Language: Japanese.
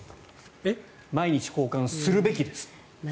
毎日交換するべきです。